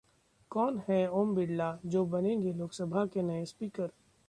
कौन हैं ओम बिड़ला, जो बनेंगे लोकसभा के नए स्पीकर